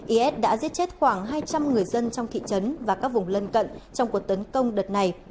is đã giết chết khoảng hai trăm linh người dân trong thị trấn và các vùng lân cận trong cuộc tấn công đợt này